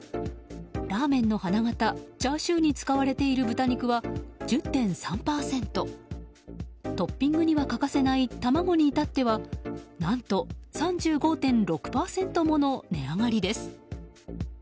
ラーメンの花形チャーシューに使われている豚肉は１０．３％トッピングに欠かせない卵に至っては何と３５．６％もの値上がりです。